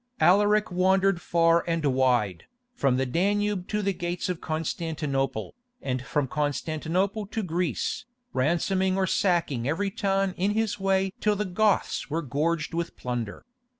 Alaric wandered far and wide, from the Danube to the gates of Constantinople, and from Constantinople to Greece, ransoming or sacking every town in his way till the Goths were gorged with plunder.